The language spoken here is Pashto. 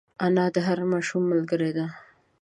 انا د هر ماشوم ملګرې ده